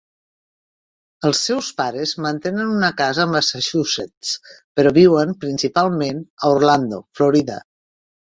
Els seus pares mantenen una casa a Massachusetts, però viuen principalment a Orlando, Florida.